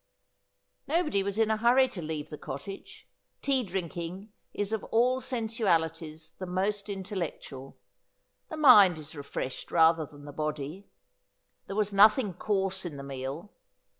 Nobody was in a hurry to leave the cottage. Tea drinking is of all sensualities the most intellectual. The mind is refreshed rather than the body. There was nothing coarse in the meal.